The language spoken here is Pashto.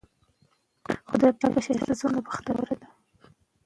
که ازادي وي نو خلاقیت نه بنديږي.